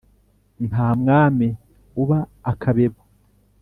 Nta mwami uba akabeba.